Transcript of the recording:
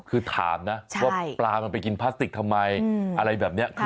คือถามนะว่าปลามันไปกินพลาสติกทำไมอะไรแบบนี้